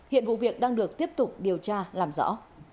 hiện vụ việc đang được tiếp tục điều tra làm rõ